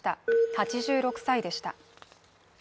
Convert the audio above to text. ８６歳でした。